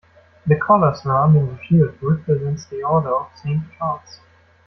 The collar surrounding the shield represents the Order of Saint Charles.